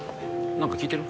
何か聞いてる？